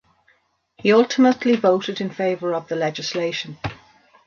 He ultimately voted in favor of the legislation.